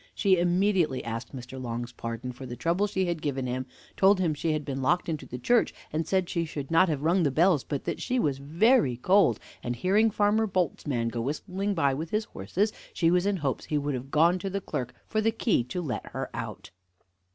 She immediately asked Mr. Long's pardon for the trouble she had given him, told him she had been locked into the church, and said she should not have rung the bells, but that she was very cold, and hearing Farmer Boult's man go whistling by with his horses, she was in hopes he would have gone to the clerk for the key to let her out.